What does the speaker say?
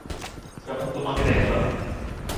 যখন তোমাকে দেখলাম।